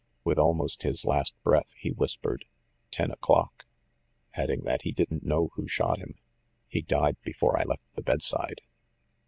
With almost his last breath he whispered, 'Ten o'clock/ adding that he didn't know who shot him. He died before I left the bedside."